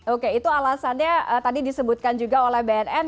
oke itu alasannya tadi disebutkan juga oleh bnn